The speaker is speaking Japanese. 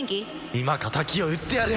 今敵を討ってやる